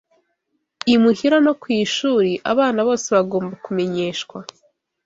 imuhira no ku ishuri, abana bose bagomba kumenyeshwa